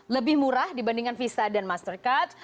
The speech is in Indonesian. lebih murah dibandingkan visa dan mastercard